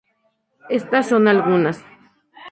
Estas son algunas.